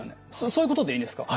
そういうことでいいんですか？